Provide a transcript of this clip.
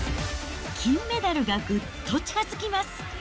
金メダルがぐっと近づきます。